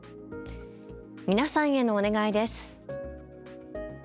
皆さんへのお願いです。